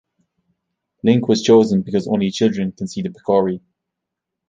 Link was chosen because only children can see the Picori.